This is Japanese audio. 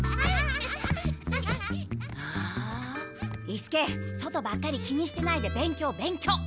伊助外ばっかり気にしてないで勉強勉強。